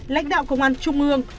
lãnh đạo công an trung ương